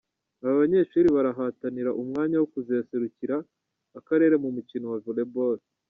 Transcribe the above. Aha abanyeshuri barahatanira umwanya wo kuzaserukira akarere mu mukino wa volleyball.